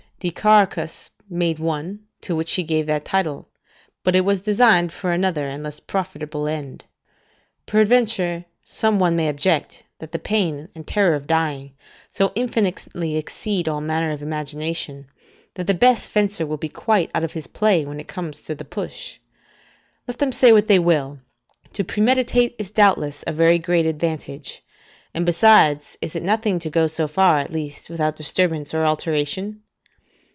Dicarchus made one, to which he gave that title; but it was designed for another and less profitable end. Peradventure, some one may object, that the pain and terror of dying so infinitely exceed all manner of imagination, that the best fencer will be quite out of his play when it comes to the push. Let them say what they will: to premeditate is doubtless a very great advantage; and besides, is it nothing to go so far, at least, without disturbance or alteration?